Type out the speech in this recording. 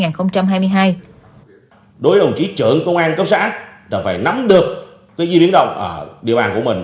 đối với đồng chí trưởng công an tp hcm phải nắm được di biến động ở địa bàn của mình